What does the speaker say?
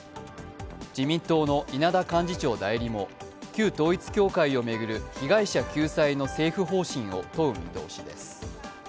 自民党の稲田幹事長代理も旧統一教会を巡る被害者救済の政府方針を問う見通しです。